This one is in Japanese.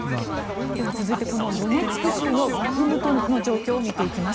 では続いてドネツク州のバフムトの状況を見ていきます。